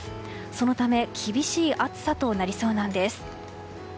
そのため厳しい暑さとなりそうなんです。